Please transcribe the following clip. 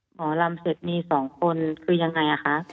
หมอลำเสร็จมี๒คนคือยังไงคะ